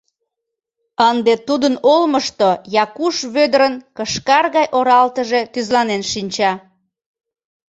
Ынде тудын олмышто Якуш Вӧдырын кышкар гай оралтыже тӱзланен шинча.